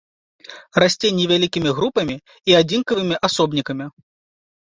Расце невялікімі групамі і адзінкавымі асобнікамі.